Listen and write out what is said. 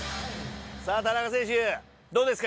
さぁ田中選手どうですか？